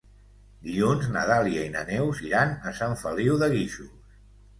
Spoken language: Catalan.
Dilluns na Dàlia i na Neus iran a Sant Feliu de Guíxols.